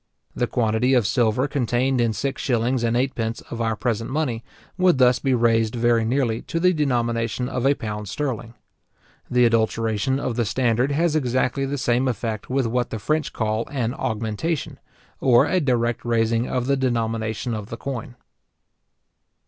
The quantity of silver contained in six shillings and eightpence of our present money, would thus be raised very nearly to the denomination of a pound sterling. The adulteration of the standard has exactly the same effect with what the French call an augmentation, or a direct raising of the denomination of the coin.